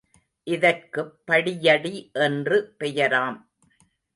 இதற்குப் படியடி என்று பெயராம்.